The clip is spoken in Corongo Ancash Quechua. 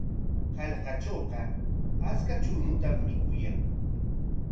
Hallqatrawqa achka chuñutam mikuyan.